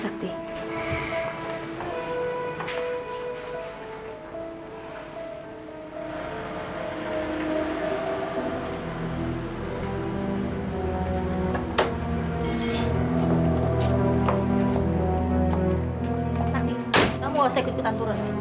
sakti kamu gak usah ikut kita turun